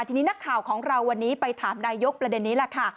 ทีนี้นักข่าวของเราวันนี้ไปถามนายกประเด็นนี้แหละค่ะ